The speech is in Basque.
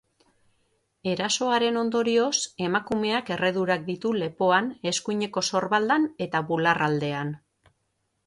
Erasoaren ondorioz, emakumeak erredurak ditu lepoan, eskuineko sorbaldan eta bularraldean.